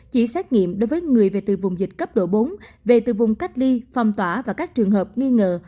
chỉ xét nghiệm đối với người về từ vùng dịch cấp độ bốn về từ vùng cách ly phong tỏa và các trường hợp nghi ngờ